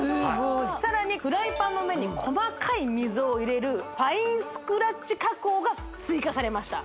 さらにフライパンの面に細かい溝を入れるファインスクラッチ加工が追加されました